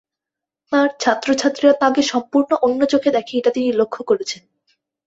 তাঁর ছাত্রছাত্রীরা তাঁকে সম্পূর্ণ অন্য চোখে দেখে এটা তিনি লক্ষ করেছেন।